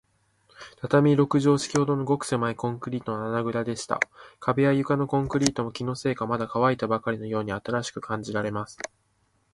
畳六畳敷きほどの、ごくせまいコンクリートの穴ぐらでした。壁や床のコンクリートも、気のせいか、まだかわいたばかりのように新しく感じられます。